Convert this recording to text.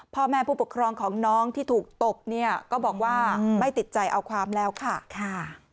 พ่อแม่ผู้ปกครองของน้องที่ถูกตบเนี่ยก็บอกว่าไม่ติดใจเอาความแล้วค่ะค่ะ